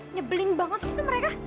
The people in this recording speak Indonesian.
nyebelin banget sih mereka